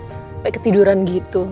kayak ketiduran gitu